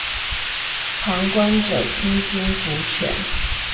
旁觀者清心福全